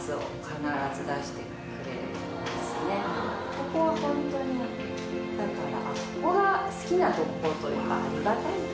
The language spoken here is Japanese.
ここはホントにだから。